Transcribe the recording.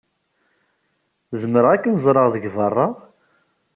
Zemreɣ ad kem-ẓreɣ deg beṛṛa?